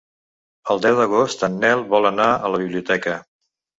El deu d'agost en Nel vol anar a la biblioteca.